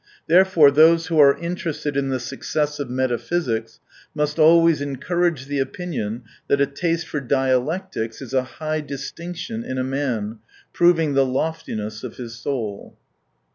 Therefore, those who are interested in the success of meta physics must always encourage the opinion that a taste for dialectics is a high distinction in a man, proving the loftiness of his soul.